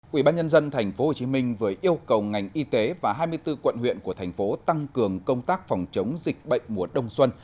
quỹ ban nhân dân tp hcm vừa yêu cầu ngành y tế và hai mươi bốn quận huyện của thành phố tăng cường công tác phòng chống dịch bệnh mùa đông xuân